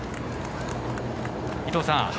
伊藤さん